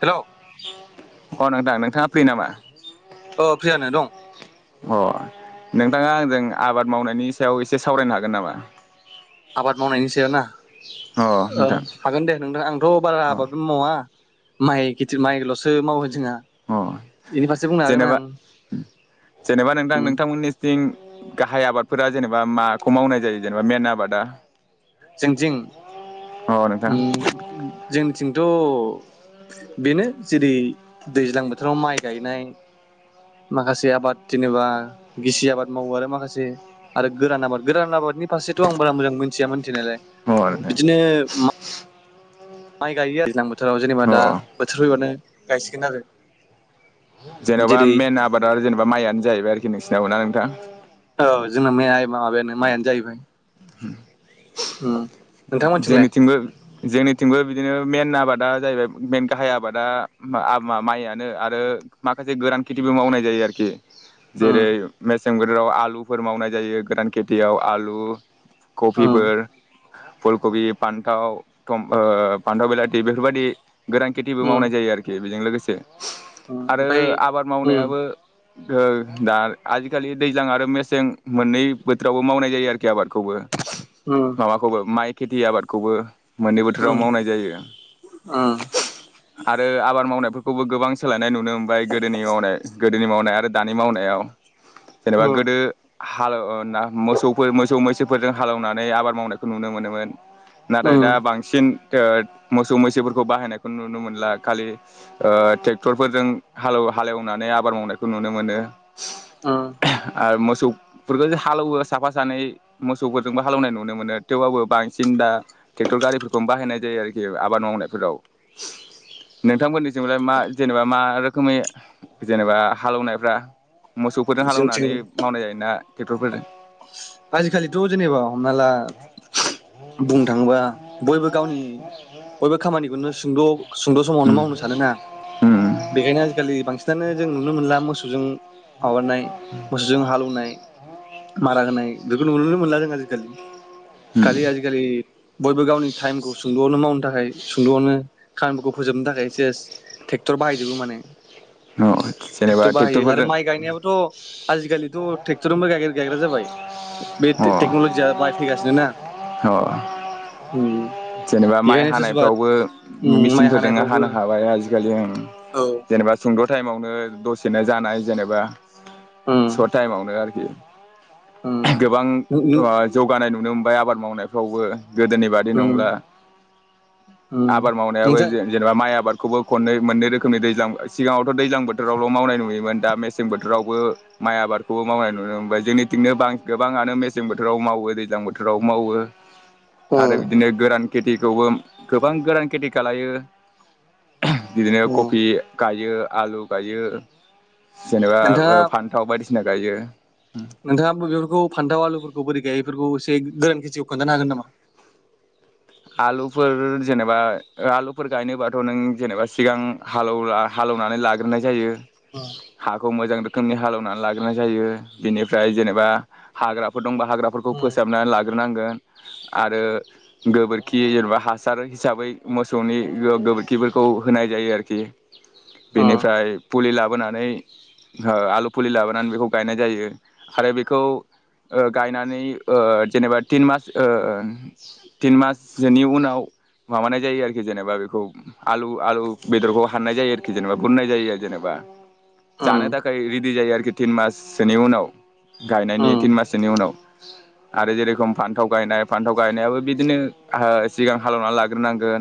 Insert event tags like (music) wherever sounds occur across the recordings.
Hello. अ नोंथां नोंथाङा फ्रि नामा? अ फ्रियानो दं। अ नोंथाङा आंजों आबाद मावनायनि सायाव एसे सावरायनो हागोन नामा? आबाद मावनायनि सायाव ना अ ओ नोंथां हागोन दे नोंथां आंथ' बारा अ आबादबो मावा। माइ खेथि माइल'सो मावो जोंहा अ एनि फारसे बुंनो हागोन जेनेबा आं जेनेबा नोंथां उम। नोंथांमोननिथिं गाहाय आबादफोरा जेनेबा माखौ मावनाय जायो जेनेबा मेन आबादा? जोंथिं। अ नोंथां उम जोंनि जोंथ' बेनो जेरै दैज्लां बोथोराव माइ गायनाय माखासे आबाद जेनेबा गिसि आबाद मावो आरो माखासे आरो गोरान आबाद गोरान आबादनि फारसेथ' आं बारा मोजां मोनथियामोन। थिनायलाय। अ नोंथां बिदिनो मा माइ गायो दैज्लां बोथोराव जेनेबा अ दा बोथोर फैबानो गायसिगोन आरो। जेन'बा जेरै मेन आबाद आरो जेनेबा माइयानो जाहैबाय आरो खि नोंसिनाबो ना नोंथां? औ जोंना मे आय माबायानो माइआनो जाहैबाय। उम। ओम। जोंनिथिंबो जोंनिथिंबो बि बिदिनो मेन आबादा जाहैबाय मेन गाहाय आबादा मा आ मा माइयानो आरो माखासे गोरान खेथिबो मावनाय जायो आरोखि। उम जेरै मेसें बो ल आलुफोर मावनाय जायो गोदान खेथियाव आलु उम कफिफोर। फुलकबि फान्थाव थम ओयो फान्थाव बिलाथि बेफोरबादि। गोरान खेथिबो उम मावनाय जायो आरोखि। बिजों लोगोसे। उम आरो ओमफ्राय आबाद उम मावनायाबो गोर दार आजिखालि दैज्लां आरो मेसें मोननै बोथोरावबो मावनाय जायो आरोखि आबादखौबो। उम उम माबाखौबो माइ खेथि आबादखौबो। मोननै बोथोराव मावनाय जायो उम आरो आबाद मावनाय फ फोरखौबो गोबां सोलायनाय नुनो मोनबाय गोदोनि मावनाय गोदोनि मावनाय आरो दानि मावनायाव। जेनेबा उम गोदो (unintelligible) नाथाय दा उम बांसिन उम (unintelligible) (unintelligible) सौ फोरखो जो हालौवो साफा सानै मोसौफोरजोंबो हालेवनाय नुनो मोनो थेवबाबबो बांसि सिन दा ट्रेक्टर गारिफोरखौनो बाहायनाय जायो आरोखि आबाद मावनायफोराव, नोंथांमोननिसिमलाय मा जेनेबा मा रोखोमै जेनेबा हालेव नायफ्रा? मोसौफोरजों हालेवनानै जोंथिं मावनाय जायोना टेकटर फोरजों आजिखालिथ जेनेबा हमना ला बुंनो थांङोबा बयबो गावनि बयबो खामानिखौनो सद सुंद समावनो उम मावनो सानो ना उम बेखायनो आजिखालि बांसिन जानो जों नुनो मोनला मोसौजों माबानाय मोसौजों हालोवनाय मारा होनाय बेफोरखौ नुनो नो मोनला जों आजिखालि। खालि आजि उम खालि बयबो गावनि टाइमखौ सुंदआवनो मावनो थाखाय सुंदआवनो खामानिफोरखौ फोजोबनो थाखाय सेस ट्रेक्टर बाहायजोबो माने। अ जेनेबा ट्रेक्टर बाहायो आरो ट्रेक्टरफोरजों माइ गायनायाबोथ' आजिखालिथ' ट्रेक्टरनोबो गायगेर गायग्रा जाबाय। बे टे-टेक्नलजिया बाहाय फैगासिनो ना अह उम जेनेबा माइ बेखायनो सोरबा हानायफ्रावबो उम मेचिन माइ फोरजोंनो हानायफ्रावबो हानो हाबाय आजि गिलि ओं औ जेनेबा सुंद' टाइमावनो दसेनो जानाय जेनेबा उम सट टाइमावनो आरो गोबां उम अवा जौगानाय नुनो फाय आबाद मावनायफ्रावबो गोदोनि बादि उम नंला उम आबाद मावनायाबो नोंथां जे-जेनेबा माइ आबाद खौबो खनै मोननै रोखोमनि दैज्लां सिगांङावथ' दैज्लां बोथोरावल' मावनाय नुयोमोन दा मेसें बोथोरावबो माइ आबादखौबो मावनाय नुनो मोनबाय, जोंनिथिंनो बा- गोबांङानो मेसें बोथोराव मावो दैज्लां बोथोराव मावो। आरो उम बिदिनो गोरान खेथिखौबो गोबां गोदान खेथि खालायो। बिदिनो उम कफि गाय यो आलु गायो जेनेबा नोंथाङा ओ फानथाव बायदिसि ना गायो। नोंथाङा बेफोरखौ फान्थाव आलुफोरखौ बोरै गायो इफोरखौ एस बे गोरान खेथिखौ खोन्थानो हागोन नामा? आलुफोर जेनेबा आलुफोर गायनोबाथ' नों जेनेबा सिगां हालौला हालौवनानै लाग्रोनाय जायो। औ खौ मोजां रोखोमनि हालौवना लाग्राय जायो बेनिफ्राय जेनेबा हाग्राफोर दं बा हाग्राफोरखौ उम फोसाबनानै लाग ग्रोनांगोन आरो गोबोरखि जेनेबा हासार हिसाबै मोसौनि गोबोरखिफोरखौ होनाय जायो आरोखि। उम बेनिफ्राय फुलि लाबोनानै ओ आलु फुलि लाबोनानै बेखौ गायनाय जायो आरो बेखौ ओ गायनानै ओ जेनेबा तिन मास ओ तिन मास सोनि उनाव माबानाय जायो आरोखि जेनेबा बेखौ आलु आलु बेदरखौ हाननाय जायो आरोखि जेनेबा बुरनाय जायो आरो जेनेबा जानो उम थाखाय रि दि जायो आरोखि तिन माससोनि उनाव गायनायनि उम तिन माससोनि उनाव आरो जेरेखम फान्थाव गायनाय फान्थाव गायनायाबो बिदि दिनो ओ सिगां हालेवना लाग्रोनांगोन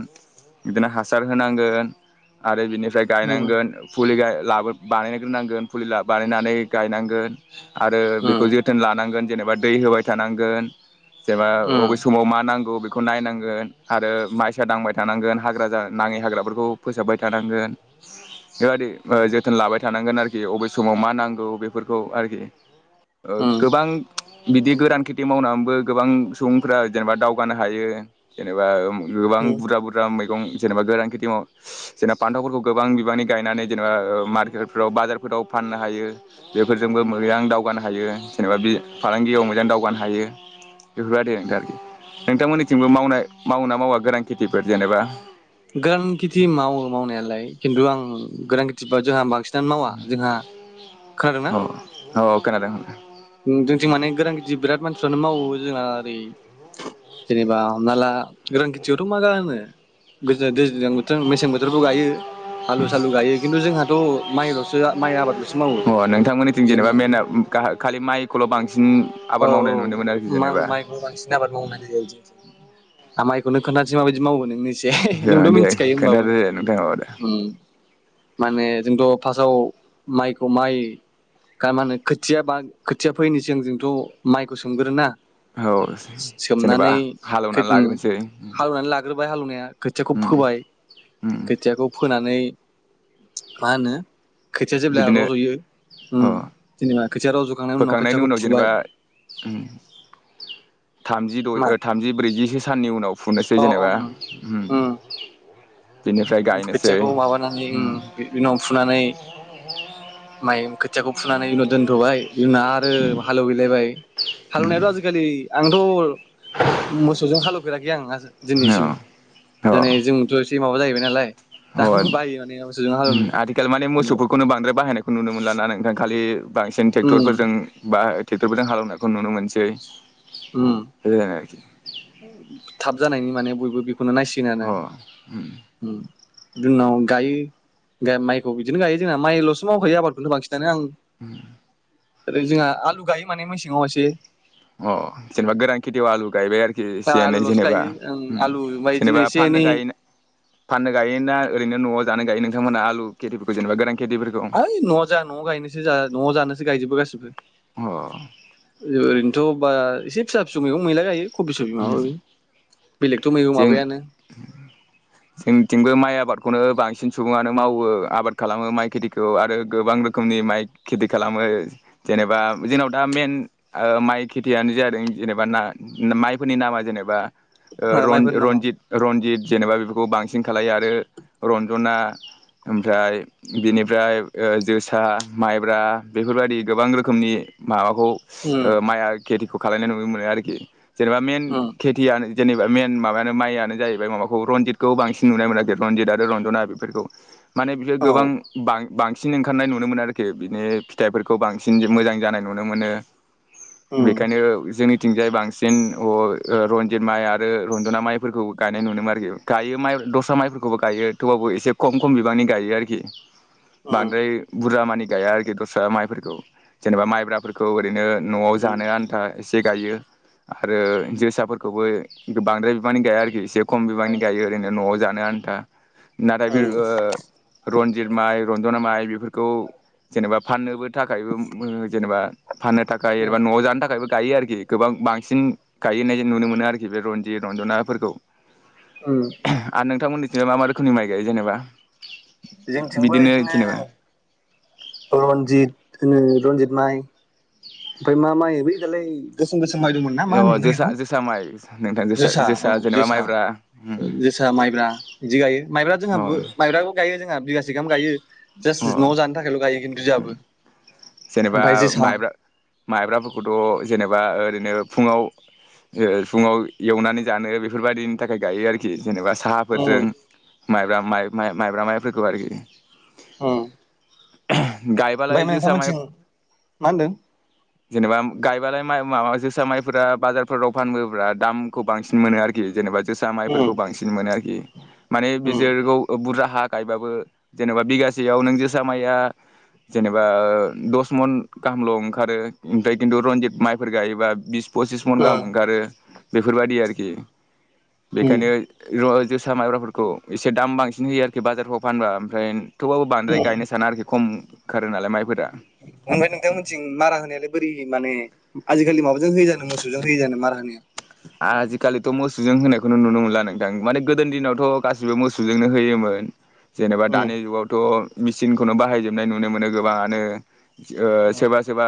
बिदिनो हासार होनांगोन आरो बिनिफ उम गायनांगोन फुलि गाय लाबो बानायग्रोनांगोन फुलि लाब बानायनानै गायनांगोन। आरो बेखौ उम जोथोन लानांगोन। जेनेबा दै होबाय थानांगोन। जेनेबा उम अबे समाव मा नांग खौ बेखौ नायनांगोन आरो माइसा दांबाय थानांगोन हाग्रा जा नाङि हाग्राफोरखौ फोसाबबाय थानांगोन बेबादि ओ जोथोन लाबाय थानांगोन आरोखि अबे समाव मा नांगौ बेफोरखौ आरोखि ओ उम गोबां बिदि गोरान खेथि मावनानैबो गोबां सुबुंफोरा जेनेबा दाउ गानो हायो जेनेबा ओम गोबां बुरजा बुरजा मै दं जेनेबा गोरान खेथि माव जेनेबा फान्थावफोरखौ गोबां बिबांनि गायनानै जेनेबा ओ मार्केटफोराव बाजारफोराव फाननो हायो बेफोरजोंबो मोजां दावगानो हायो जेनेबा बि फालांगियाव मोजां दावगानो हायो बेफोरबायदि आरोखि। नोंथांमोननिथिंबो मावनाय मावो ना मावा गोरान खेथिफोर जेनेबा गोरान खेथि मावो मावनायालाय खिन्थु आं गोरान खेथिबा जोहा बांसिन दा मावा जोंहा खोनादोंना? अ औ खोनादों । उम जोंथि माने गोरान खेथि बिराद मानसि बिफ्रानो मावो जोंना ओरै जेनेबा हमना ला गोरान खेथियावथ मा जानो गोजा गोज गोजां बोथोर मेसें बोथोरावबो गायो आलु सालु गायो किन्थु जोंहाथ' माइल'सो माइ आबादल'सो मावो अ नोंथांमोननिथिं जेनेबा जोंहा मेना खालि माइखौल बांसिन औ आबाद औ मावनाय नुनोमोन आरोखि मां जेनेबा। माइखौ बांसिन आबाद मावनाय जायो जोंथिं आं माइखौनो खोनथानोसै माबायदि मावो नोंनिज दा दे खोदो नोंथां (unintelligible) उम माने जोंथ फास्टआव माइखौ माइ गा माहोनो खोथिया बा खोथिया फैनोसै आं जोंथ माइखौ सोमगोरोना। औ जेनेबा सोमनानै हालेवनानै लाग्रोनोसै। बा हालवनाया। खोथियाखौ उम फोबाय उम खोथियाखौ फोनानै। माहोनो? खोथिया जेब्ला बिदिनो रजयो, अ जेनेबा खोथिया रज। फोखांनायनि उनाव जेनेबा। थामजि मा द थामजि ब्रैजिसो साननि उनाव फुनोसै अ जेनेबा। ओं उम बेनिफ्राय गायनोसै खोथियाखौ माबानानै बि उनाव फुनानै माइ खोथियाखौ फुनानै उनाव दोनथबाय। जुनना आरो हालौ गैलायबाय। हालमनायाथ आजिखालि। आंथ। मोसौजों हालौ (unintelligible) आां (unintelligible) औ दिनैसिम दानै जोंथ बे माबा जाहौबाय। नालाय। दा अ आंबो बायो माने मोसौजों हालेवनो आथिखाल माने मोसौफोरखौनो बांद्राय बाहायनायखौ खौ नुनो मोन लाना नोंथां? खालि- बांसिन उम ट्रेक्टरफोरजों बा ट्रेक्टरफोरजों हालवनायखौ नुनो मोनसै। उम (unintelligible) थाब जानायनि माने बयबो बि खौनो नायसिगोनानो अ उम बि उनाव गायो माइखौ बिदिनो गायो जोंना माइल'सो मावखायो आबादखौनो बांसिनानो आं। (unintelligible) ओै जोंहा आलु गायो माने मेसेङाव एसे। अ जेनबा गोरांखिथि आलु गाय बे आरो। सेै आलुल'सो जेनेबा गायो ओं आलु ओमफ्राय बिदिनो जेनेबा एसे फाननो एनै गाय फाननो गाय ना? ओरैनो'आवानो गायो नोंथांमोन आु खेथिफोरखौेनबा गोनां ओइ न' जा न' गायनोसो जा न' जानोसो गायजोबो गासिबो। अ ओरैनोथ'। बा एसे फिसा फिसौ मैगं मैला गायो । उम मैगं जों माबायानो जोंथिंबो माइ आबादखौनो बां सिन सुबुङानो मावो आबाद खालामो माइ खेथिखौ आरो गोबां रोखोमनि माइ खेथि खालामो जेनेबा जोंनाव दा मेन ओ माइ खेथियानो जादों जेनेबा ना माइ फोरनि नामा जेनेबा ओ रन माइफोरनि नामा रनजित रनजित जेनेबा बे बांसिन खालायो आरो रन्जना ओमफ्राय बिनिफ्राय ओ जोसा माइब्रा बेफोरबायदि गोबां रोखोमनि मा (unintelligible) खालायनाय नुनो मोनो आरोखि जेनेबा मेन खेथिया जेनेबा मेन माबायानो माइयानो जाहैबाय माबाखौ रनजितखौ बांसिन नुनाय मोन आरोखि रनजित आरो रन्जना बेफोरखौ माने बिसोर गोबां बां बांसिन ओंखारनाय नुनो मोनो आरोखि बिनि फिथाइफोरखौ बांसिन मोजां जानाय नुनो मोनो उम बेखायनो जोंनि थिंजाय बांसिन (unintelligible) रनजित माइ आरो रन्जना माइफोरखौ गायनाय नुनोन आरोखि गायो माइ दस्रा माइफोरखौबो गायो थेवबाबो एसे खम खम बिबांनि गायो आरोखि। बांद्राय बुरजा मानि गाया आरोखि दस्रा माइफोरखौ जेनेबा माइब्राफोरखौ ओरैनो न'आव उम जानो आन्था एसे गायो आरो जोसाफोरखौबो बांद्राय बिबांनि गाया आरोखि एसे खम बिबांनि गायो ओरैनो न'आव जानो आन्था । नाथाय बे उम उम ओ रन्जित माइ रन्जना माइ बेफोरखौ जेनेबा फाननोबो थाखायबो जेनेबा फाननो थाखाय एबा न'आव जानो थाखायबो गायो आरोखि गोबां बां । सिन गायहोनाय नुनो मोनो आरोखि बे रन्जि रन्जनाफोरखौ। उम आ (unintelligible) जेनेबा मा रोखोमनि माइ गायो जेनेबा? जोंथिंबो बिदिनो इदिनो। जेनेबा रनजित ओ रनजित माइ। ओमफाय मा माइ बै दालाय गोसोम गोसोम। दों माइ दोंमोनना मा अ होनोमोनथाय जोसा इखौ जोसा माइ नोंथां जोसा औ जेनेबा जोसा माइब्रा उम जोसा मायब्रा इदि गायो मायब्रा अ जोंहाबो मायब्राखौ गायो जोंहा‌ बिगासे। (unintelligible) गायो। जास्ट अ न'आव जानो थाखायल' गायो किन्तु । (unintelligible) जेनेबा ओ माइब्रा। माइब्राफोरखौथ' जेनेबा ओरैनो फुङाव ओ फुङाव एवनानै जानो बेफोरबायदिनि थाखाय गायो आरोखि। जेनेबा उम उम साहाफोरजों माइब्रा माइब-माइ माइब्रा माइफोरखौ आरोखि। ओमफ्राय गायबालाय जोसा माय नोंथांमोनथिं मा होनदों जेनेबाम गाय बालाय माइ माबा जोसा माइफोरा बाजारफोराव फानबोब्रा दामखौ बांसिन मोनो आरोखि जेनेबा जोसा माइफोरखौ उम बांसिन मोनो आरोखि। माने उम बिसोरखौ ओ बुरजा हा गायबाबो जेनेबा बिगासेयाव नों जोसा माइया जेनेबा ओ दस मन गाहामल' ओंखारो ओमफाय किन्थु रनजित माइफोर गायोबा बिसब पसिस मन उम गाहाम ओंखारो। बेफोरबादि आरोखि। उम बेखायनो। (unintelligible) जोसा माइब्राफोरखौ इसे दाम बांसिन होयो आरोखि बाजारफ्राव फानबा ओमफ्राय थेवबाबो बांद्राय उम गायनो साना आरोखि खम खारो नालाय माइफोरा। ओमफाय नोंथां मोनथिं मारा होनायालाय बोरै हायो? माने आजिखालि माबा जों होयोजानो मोसौजों होयोजानो मारा होनाया? आजिखालिथ' मोसौजों होनायखौनो नुनो मोनला नोंथां माने गोदोनि दिनावथ' गासैबो मोसौजोंनो होयोमोन। जेनेबा दानि उम जुगावथ' मिसिनखौनो बाहायजोबनाय नुनो मोनो गोबाङानो ओ सोरबा सोरबा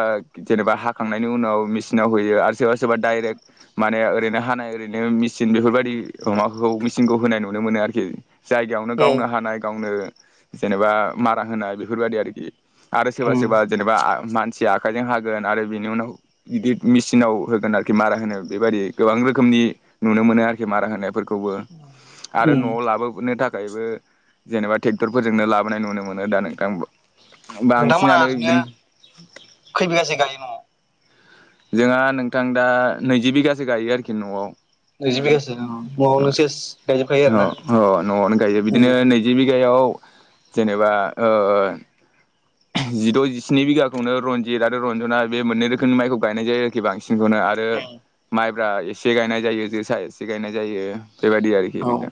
जेनेबा हाखांनायनि उनाव मिचिनाव होयो आरो सोरबा सोरबा डाइरेक्ट माने ओरैनो हानाय ओरैनो मिचिन बेफोरबायदि गोमाखौ मिचिनखौ होनाय नुनो मोनो आरोखि। जायगायावनो गावनो उम हानाय गावनो जेनेबा मारा होनाय बेफोरबायदि आरोखि। आरो सोरबा उम सोरबा जेनेबा मान जे आखाइजों हागोन आरो बिनि उनाव गिदिर मेसिनाव होगोन आरोखि मारा होनो बेबायदि गोबां रोखोमनि नुनो मोनो आरोखि मारा होनायफोरखौबो। आरो उम न'आव लाबोनो थाख अनगायैबो जेनेबा टेक्टरफोरजोंनो लाबोनाय नुनो मोनो दा नोंथां नोंथांमोनहा बांसिनानो ओरैनो बिदिनो खै बिगासो गायो न'आव? जोंहा नोंथां दा नैजि बिगासो गायो आरोखि न'आव। नैजि बिगासो औ न'आवनो सेस गायजोबखायो आरो अ अ ना? नआवनो गायजो बिदिनो उम नैजि बिघायाव जेनेबा ओ जिद' जिस्नि बिघाखौनो रनजित आरो रन्जना बे मोननै रोखोमनि माइखौ गायनाय जायो आरोखि बां सिनखौनो आरो माइ जा एसे गायनाय जायो जोसा एसे गायनाय जायो। बेबायदि आरोखि औ नोंथां,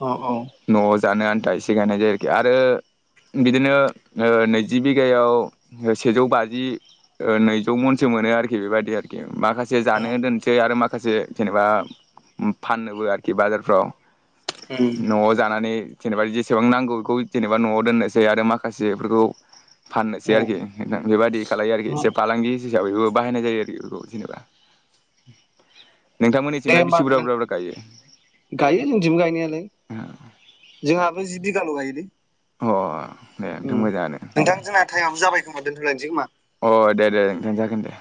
औ औ न जानो आन्था इसे गायनाय जायो आरोखि। आरो बिदिनो ओ जि बिघायाव सेजौ बाजि ओ नैजौ मनसो मोनो आरोखि बेबायदि आरोखि। माखासे जानो दोनसै आरो मा माखासे जेनेबा फाननोबो आरोखि बाजारफ्राव उम नआव जानानै। जेनेबा जेसेबां नांगौ बेखौ जेनेबा नआव दोननोसै आरो माखासेफोरखौ। फाननोसै आरोखि नोंथां बेबायदि खालायो आरोखि उम एसे फालांगि हिसाबैबो बाहायनाय जायो आरोखि बेखौ जेनेबा। दे नोंथांमोननिथिंलाय होमबा बेसे बुरजा नों बुरजा बुरजा गायो गायो जोंथिंबो गायनायालाय जोंहाबो जि बिघाल गायोलै अ। दे ओम मोजाङानो अ नोंथां जोंना टाइम आबो जाबाय खोमा दोनथलायनोसै खोमा। अ दे दे नोंथां जागोन दे।